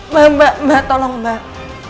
mbak mbak tolong mbak